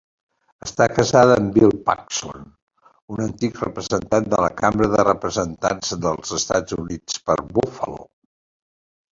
Està casada amb Bill Paxon, un antic representant de la Cambra de Representants dels Estats Units per Buffalo.